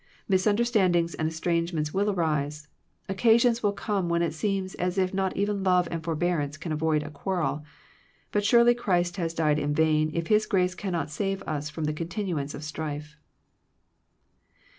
Misunderstandings and estrangements will arise, occasions will come when it seems as if not even love and forbear ance can avoid a quarrel, but surely Christ has died in vain if His grace can not save us from the continuance of strife.